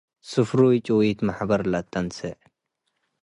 ስፍሩይ ጭዊት መሕበር ለአተንሴ።